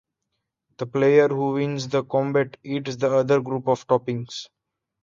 The player who wins the combat eats the other group of toppings.